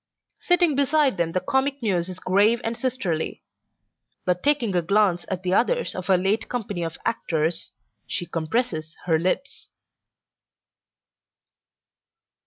Sitting beside them the Comic Muse is grave and sisterly. But taking a glance at the others of her late company of actors, she compresses her lips.